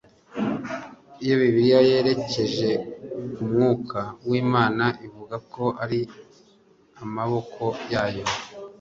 Iyo Bibiliya yerekeje ku mwuka w’Imana ivuga ko ari “amaboko” yayo,